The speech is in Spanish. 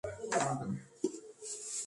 Inti-Illimani Nuevo